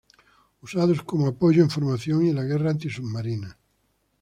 Usados como apoyo en formación y en la guerra antisubmarinas.